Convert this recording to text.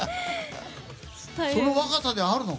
その若さであるの？